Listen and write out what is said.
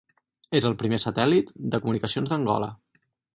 És el primer satèl·lit de comunicacions d'Angola.